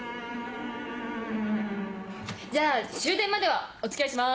じゃあ終電まではお付き合いします！